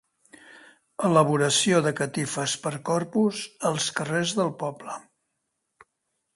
Elaboració de catifes per Corpus als carrers del poble.